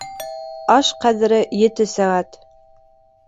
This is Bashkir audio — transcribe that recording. Аш ҡәҙере ете сәғәт